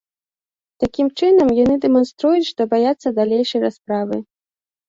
Такім чынам, яны дэманструюць, што баяцца далейшай расправы.